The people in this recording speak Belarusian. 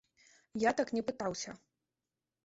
Я так не пытаўся.